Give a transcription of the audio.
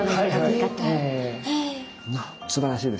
すばらしいですね。